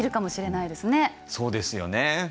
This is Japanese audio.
そうですよね。